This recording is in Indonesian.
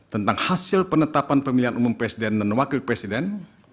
tentang hasil penetapan pemilihan umum presiden dan wakil presiden